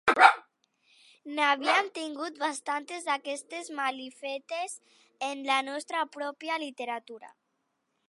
N'havíem tingut bastantes d'aquestes malifetes en la nostra pròpia literatura.